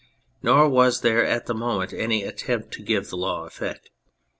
Nor was there at the moment any attempt to give the law effect.